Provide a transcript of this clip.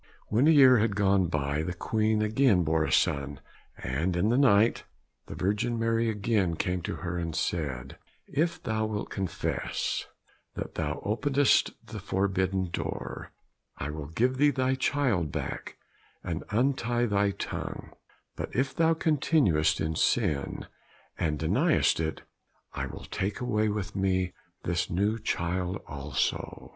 When a year had gone by the Queen again bore a son, and in the night the Virgin Mary again came to her, and said, "If thou wilt confess that thou openedst the forbidden door, I will give thee thy child back and untie thy tongue; but if you continuest in sin and deniest it, I will take away with me this new child also."